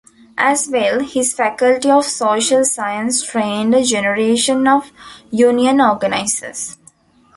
As well, his Faculty of Social Science trained a generation of union organizers.